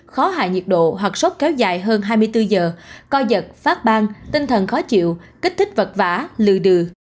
khó hạ nhiệt độ hoặc sốt kéo dài hơn hai mươi bốn giờ coi giật phát bang tinh thần khó chịu kích thích vật vả lừa đừa